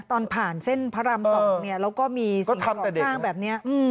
ตอนผ่านเส้นพระราม๒แล้วก็มีสร้างแบบนี้